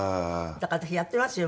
だから私やっていますよ